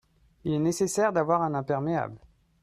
il est nécessaire d'avoir un imperméable.